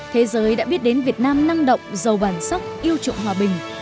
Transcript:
thế giới đã biết đến việt nam năng động giàu bản sốc yêu trụng hòa bình